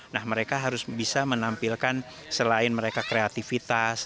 nah mereka harus bisa menampilkan selain mereka kreativitas